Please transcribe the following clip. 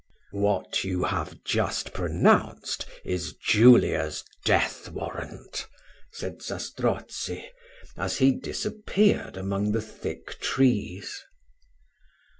"What you have just pronounced is Julia's death warrant," said Zastrozzi, as he disappeared among the thick trees.